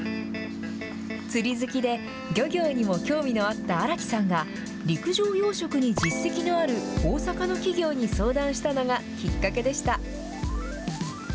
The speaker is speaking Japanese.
釣り好きで、漁業にも興味があった荒木さんが、陸上養殖に実績のある大阪の企業に相談したのがきっかけでした。